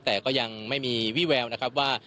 แต่ก็ยังไม่มีวิแววนะครับว่า